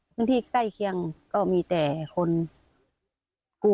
พื้นที่ใกล้เคียงก็มีแต่คนกลัว